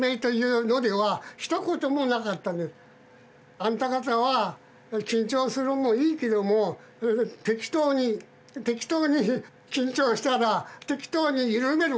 「あんた方は緊張するのもいいけども適当に適当に緊張したら適当に緩めることを考えてほしい」と。